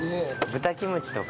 豚キムチとか。